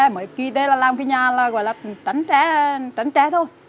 mới kia đây là làm cái nhà là gọi là tránh trẻ thôi